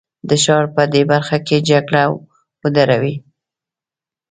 د ښار په دې برخه کې جګړه ودروي.